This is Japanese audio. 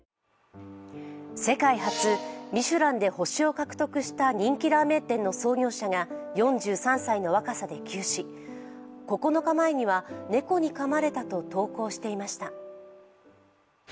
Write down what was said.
世界初、ミシュランで星を獲得した人気ラーメン店の店主が４３歳の若さで急死、９日前には猫にかまれたと投稿していました。